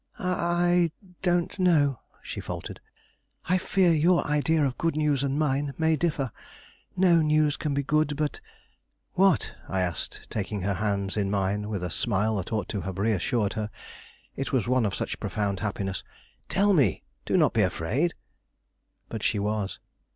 "I don't know," she faltered; "I fear your idea of good news and mine may differ. No news can be good but " "What?" I asked, taking her hands in mine with a smile that ought to have reassured her, it was one of such profound happiness. "Tell me; do not be afraid." But she was.